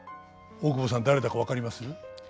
大久保さん誰だか分かります？